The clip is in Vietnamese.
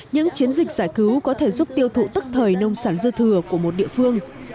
những chiến dịch giải cứu có thể giúp tiêu thụ tức thời nông sản dư thừa của một địa phương